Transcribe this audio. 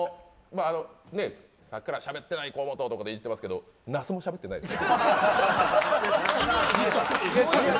さっきからしゃべってない河本とか言ってますけど那須もしゃべってないです。